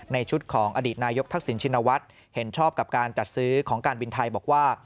ในชุดของอดีตนายกทักษิณชินวัฒน์เห็นชอบกับการจัดซื้อของการบินไทยบอกว่า